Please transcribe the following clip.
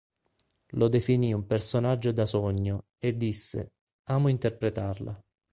Lo definì un personaggio "da sogno", e disse: "Amo interpretarla.